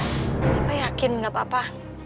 gak apa apa yakin gak apa apa